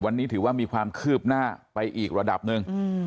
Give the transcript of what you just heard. วันนี้ถือว่ามีความคืบหน้าไปอีกระดับหนึ่ง